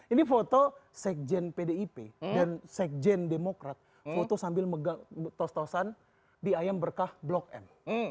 ini foto sekjen pdip dan sekjen demokrat foto sambil megang tos tosan di ayam berkah blok m